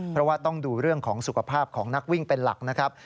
เพราะว่าต้องดูเรื่องของสุขภาพของนักวิ่งเป็นหลักนะครับ